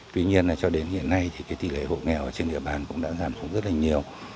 tuy nhiên là cho đến hiện nay thì tỷ lệ hậu nghèo ở trên địa bàn cũng đã giảm rất là nhiều